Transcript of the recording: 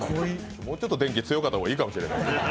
もうちょっと電気強かった方がよかったかもしれない。